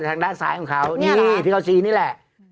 แต่ช่างด้านซ้ายของเขาเค้านี่อ๋อนี่แหละ